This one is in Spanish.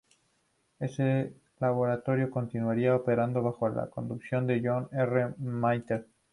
Ese laboratorio continuaría operando bajo la conducción de John R. Mather.